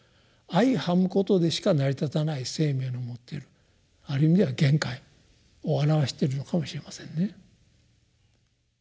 相食むことでしか成り立たない生命の持っているある意味では限界を表しているのかもしれませんね。